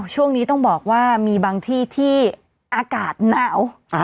ช่วงนี้ต้องบอกว่ามีบางที่ที่อากาศหนาว